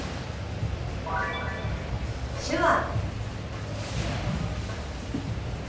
「手話」。